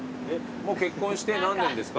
もう結婚して何年ですか？